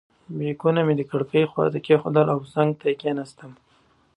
بیکونه مې د کړکۍ خواته کېښودل او څنګ ته کېناستم.